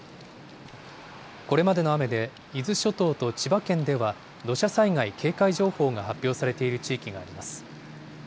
これまでの雨で伊豆諸島と千葉県では、土砂災害警戒情報が発表されている地域があります。